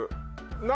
何？